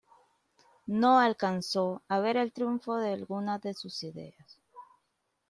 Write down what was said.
No alcanzó a ver el triunfo de algunas de sus ideas.